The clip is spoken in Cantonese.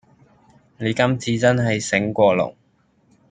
你今次真係醒過龍